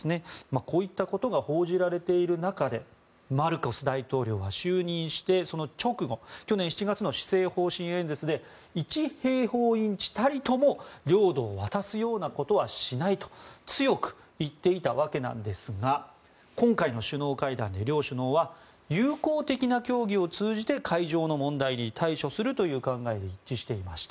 こういったことが報じられている中でマルコス大統領は就任してその直後去年７月の施政方針演説で１平方インチたりとも領土を渡すようなことはしないと強く言っていたわけなんですが今回の首脳会談で両首脳は友好的な協議を通じて海上の問題に対処するという考えで一致していました。